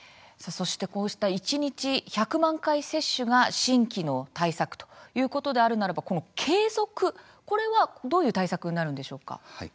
こうした一日１００万回接種が新規の対策ということであるならばこの継続、これはどういう対策になるんでしょうか。